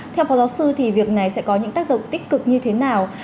theo phó giáo sư thì việc này sẽ có những tác động tích cực như thế nào